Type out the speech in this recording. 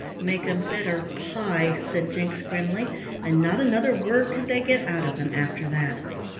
"Make a better pie," said Jinks grimly, and not another word could they get out of him after that.